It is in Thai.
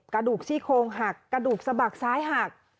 กระดูกซี่โครงหักกระดูกสะบักซ้ายหัก